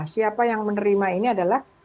siapa yang menerima ini adalah